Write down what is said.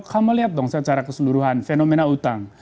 kamu lihat dong secara keseluruhan fenomena utang